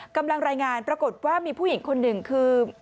กำลังรายงานปรากฏว่ามีผู้หญิงคนหนึ่งคือ